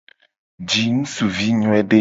Ji ngusuvi nyoede.